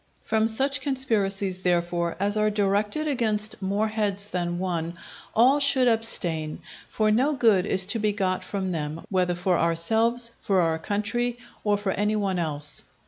From such conspiracies, therefore, as are directed against more heads than one, all should abstain; for no good is to be got from them, whether for ourselves, for our country, or for any one else.